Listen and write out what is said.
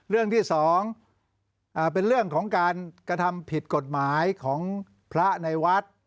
เรื่องที่๒เป็นเรื่องของการกระทำผิดกฎหมายของพระในวัด